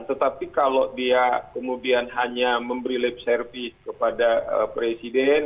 tetapi kalau dia kemudian hanya memberi lap service kepada presiden